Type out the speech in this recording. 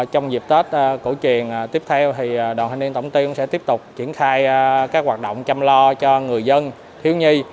trong dịp tết cổ truyền tiếp theo thì đoàn thanh niên tổng tiên sẽ tiếp tục triển khai các hoạt động chăm lo cho người dân thiếu nhi